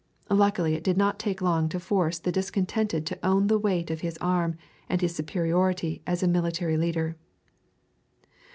Luckily it did not take long to force the discontented to own the weight of his arm and his superiority as a military leader.